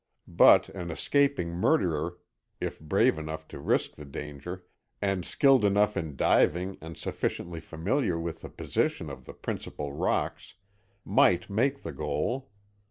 But an escaping murderer, if brave enough to risk the danger, and skilled enough in diving and sufficiently familiar with the position of the principal rocks, might make the goal.